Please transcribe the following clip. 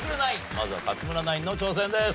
まずは勝村ナインの挑戦です。